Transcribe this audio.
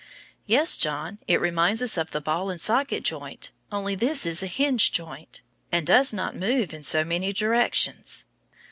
Yes, John, it reminds us of the ball and socket joint, only this is a hinge joint, and does not move in so many directions.